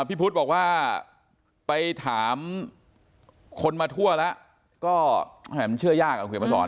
บิภุตบอกว่าไปถามคนมาทั่วแล้วก็๑๙๓๐นมันเชื่อยากซึ่งเขามาสอน